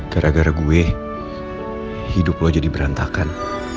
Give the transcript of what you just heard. gara gara gue hidup lo jadi berantakan